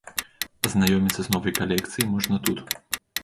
Азнаёміцца з новай калекцыяй можна тут.